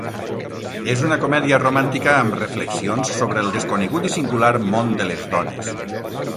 És una comèdia romàntica amb reflexions sobre el desconegut i singular món de les dones.